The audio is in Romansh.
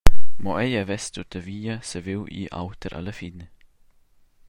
Mo ei havess tuttavia saviu ir auter alla fin.